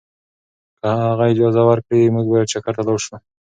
که هغه اجازه ورکړي، موږ به چکر ته لاړ شو.